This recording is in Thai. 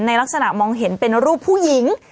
ลักษณะมองเห็นเป็นรูปผู้หญิง